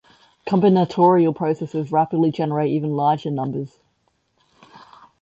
Combinatorial processes rapidly generate even larger numbers.